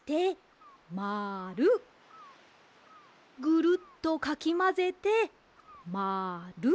ぐるっとかきまぜてまる。